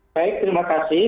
baik terima kasih